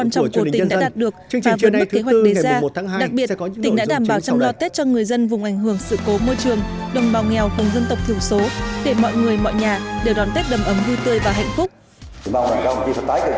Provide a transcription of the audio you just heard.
các chỉ tiêu kinh tế xã hội quan trọng của tỉnh đã đạt được và vẫn bất kế hoạch đề ra